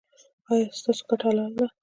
ایا ستاسو ګټه حلاله ده؟